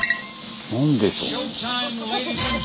何でしょう。